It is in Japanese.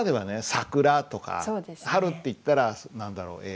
桜とか春っていったら何だろうえ